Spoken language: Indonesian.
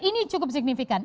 ini cukup signifikan